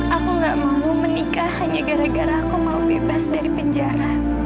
aku gak mau menikah hanya gara gara aku mau bebas dari penjara